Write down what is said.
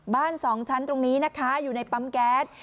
สองชั้นตรงนี้นะคะอยู่ในปั๊มแก๊ส